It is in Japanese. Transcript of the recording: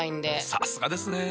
さすがですね。